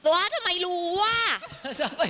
ว่าทำไมรู้อ่ะ